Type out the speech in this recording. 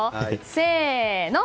せーの。